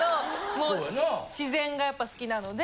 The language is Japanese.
もう自然がやっぱ好きなので。